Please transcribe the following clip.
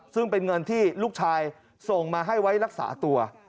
ซึ่งเป็นเงินที่ลูกชายส่งมาให้ไว้รักษาตัว